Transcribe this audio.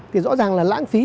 thì rõ ràng là lãng phí